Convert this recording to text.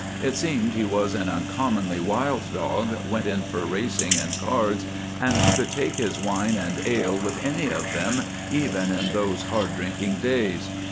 It seems he was an uncommonly wild dog, went in for racing and cards, and could take his wine and ale with any of them even in those hard drinking days.